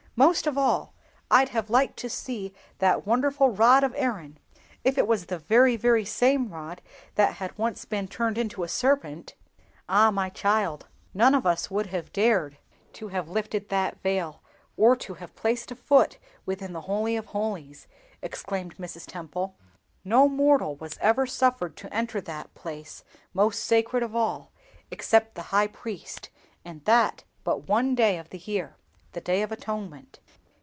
Most of all, I'd have liked to see that wonderful Rod of Aaron, if it was the very very same rod that had once been turned into a serpent." [Illustration: THE HOLY PLACE AND THE MOST HOLY PLACE. Children's Tabernacle. p. 56.] "Ah, my child, none of us would have dared to have lifted that Veil or to have placed a foot within the Holy of holies!" exclaimed Mrs. Temple. "No mortal was ever suffered to enter that place, most sacred of all, except the High Priest, and that but on one day of the year—the Day of Atonement.